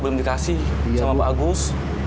belum dikasih sama pak agus